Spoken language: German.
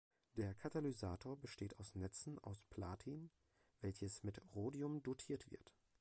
Der Katalysator besteht aus Netzen aus Platin, welches mit Rhodium dotiert wird.